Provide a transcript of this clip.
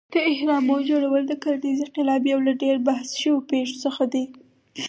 د اهرامو جوړول د کرنیز انقلاب یو له ډېرو بحث شوو پېښو څخه دی.